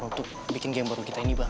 untuk bikin game baru kita ini bang